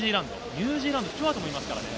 ニュージーランド、スチュワートもいますからね。